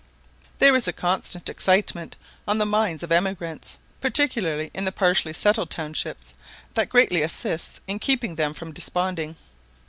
There is a constant excitement on the minds of emigrants, particularly in the partially settled townships, that greatly assists in keeping them from desponding.